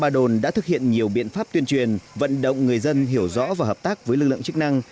ba đồn đã thực hiện nhiều biện pháp tuyên truyền vận động người dân hiểu rõ và hợp tác với lực lượng chức năng